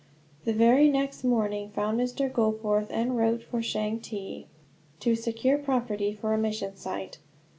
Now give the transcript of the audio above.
The very next morning found Mr. Goforth en route for Changte, to secure property for a mission site.